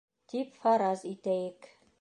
... тип фараз итәйек